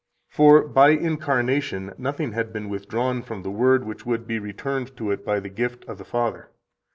For by incarnation nothing had been withdrawn from the Word which would be returned to it by the gift of the Father.